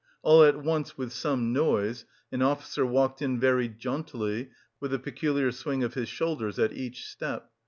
All at once, with some noise, an officer walked in very jauntily, with a peculiar swing of his shoulders at each step.